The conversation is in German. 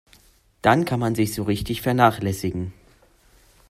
Dann kann man sich so richtig vernachlässigen.